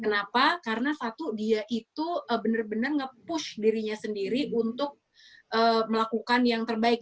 kenapa karena satu dia itu benar benar nge push dirinya sendiri untuk melakukan yang terbaik